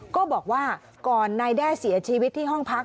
ก็บอกว่าก่อนนายแด้เสียชีวิตที่ห้องพัก